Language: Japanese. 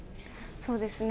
そうですね。